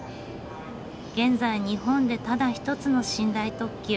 現在日本でただ一つの寝台特急。